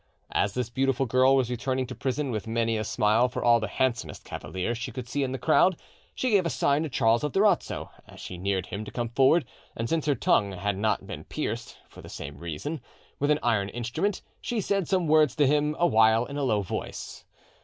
As this beautiful girl was returning to prison, with many a smile for all the handsomest cavaliers she could see in the crowd, she gave a sign to Charles of Durazzo as she neared him to come forward, and since her tongue had not been pierced (for the same reason) with an iron instrument, she said some words to him a while in a low voice.